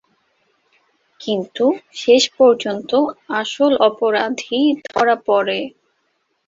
কিন্তু শেষ পর্যন্ত আসল অপরাধী ধরা পড়ে।